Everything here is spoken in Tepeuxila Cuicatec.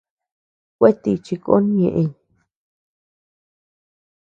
Kuetíchi kon ñeʼey.